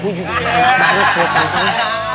gue juga enak banget ngeliat kantor